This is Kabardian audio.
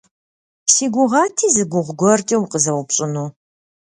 Си гугъати зы гугъу гуэркӀэ укъызэупщӀыну.